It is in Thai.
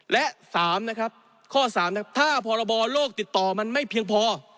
และข้อสามถ้าพรบโรคติดต่อมันไม่เพียงพอ